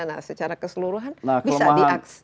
nah secara keseluruhan bisa diakses